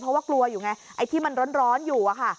เพราะว่ากลัวอยู่ไงไอ้ที่มันร้อนอยู่อะค่ะ